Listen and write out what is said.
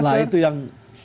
nah itu yang